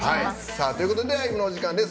ライブのお時間です。